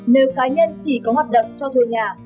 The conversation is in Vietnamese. nếu cá nhân chỉ có hoạt động cho thuê nhà